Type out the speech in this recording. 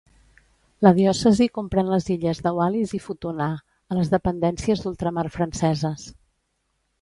La diòcesi comprèn les illes de Wallis i Futuna, a les dependències d'ultramar franceses.